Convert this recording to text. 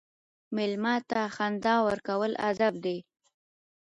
مېلمه ته خندا ورکول ادب دی.